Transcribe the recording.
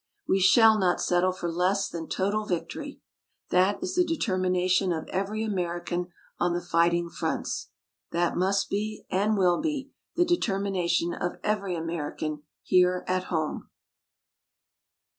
We shall not settle for less than total victory. That is the determination of every American on the fighting fronts. That must be, and will be, the determination of every American here at home.